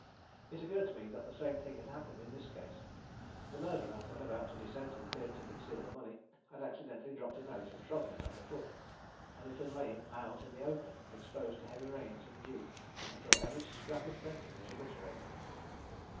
It occurred to me that the same thing had happened in this case. The murderer, when about to descend to the pit to conceal the money, had accidentally dropped a note and trodden it underfoot, and it had lain out in the open exposed to heavy rains and dew until every scrap of printing was obliterated."